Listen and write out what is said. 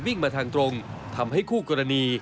วิ่งมาทางตรงทำให้คู่กรณี